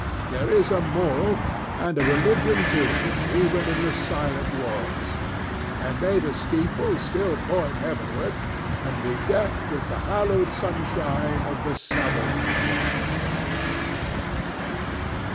There is a moral, and a religion too, even in the silent walls. And may the steeple still point heavenward and be decked with the hallowed sunshine of the Sabbath morn!